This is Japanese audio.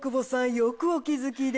よくお気付きで。